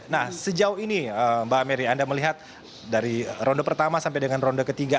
nah sejauh ini mbak mary anda melihat dari ronde pertama sampai dengan ronde ketiga